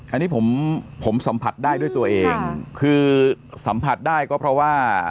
อันนี้ผมผมสัมผัสได้ด้วยตัวเองคือสัมผัสได้ก็เพราะว่า